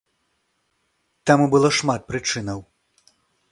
Таму было шмат прычынаў.